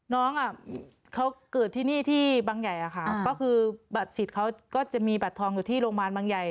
น้องอ่ะเขาเกิดที่นี่ที่บางใหญ่อะค่ะก็คือบัตรสิทธิ์เขาก็จะมีบัตรทองอยู่ที่โรงพยาบาลบางใหญ่